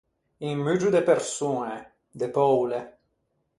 Un muggio de persoñe, de poule.